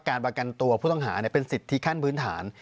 การประกันตัวผู้ต้องหาเป็นสิทธิขั้นพื้นฐาน